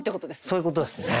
そういうことですね。